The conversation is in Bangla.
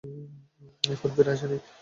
এখনও ফিরে আসেনি।